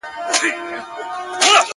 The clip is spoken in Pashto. خلګ راغله و قاضي ته په فریاد سوه,